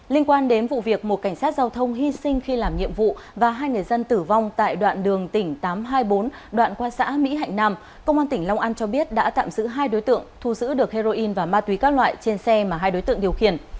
liên quan đến vụ việc một cảnh sát giao thông hy sinh khi làm nhiệm vụ và hai người dân tử vong tại đoạn đường tỉnh tám trăm hai mươi bốn đoạn qua xã mỹ hạnh nam công an tỉnh long an cho biết đã tạm giữ hai đối tượng thu giữ được heroin và ma túy các loại trên xe mà hai đối tượng điều khiển